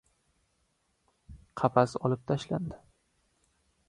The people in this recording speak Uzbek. Qafas olib tashlandi.